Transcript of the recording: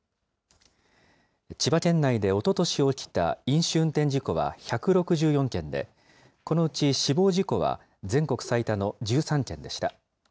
千葉県内でおととし起きた飲酒運転事故は１６４件で、このうち死亡事故は全国最多の１３件でした。